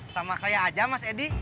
sama saya aja mas edi